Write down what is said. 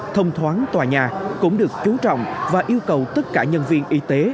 tham thoán tòa nhà cũng được chú trọng và yêu cầu tất cả nhân viên y tế